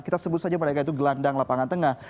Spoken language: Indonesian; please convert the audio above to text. kita sebut saja mereka itu gelandang lapangan tengah